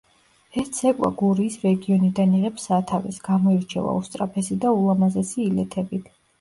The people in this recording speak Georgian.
ეს ცეკვა გურიის რეგიონიდან იღებს სათავეს, გამოირჩევა უსწრაფესი და ულამაზესი ილეთებით.